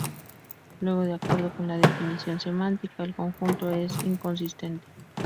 Luego, de acuerdo con la definición semántica, el conjunto es inconsistente.